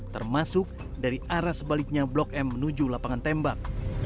termasuk dari arah sebaliknya blok m menuju lapangan tembak